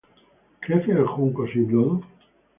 ¿Crece el junco sin lodo?